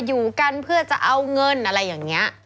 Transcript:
อยู่กันเพื่อจะเอาเงินอะไรอย่างนี้